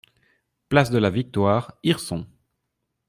Place de la Victoire, Hirson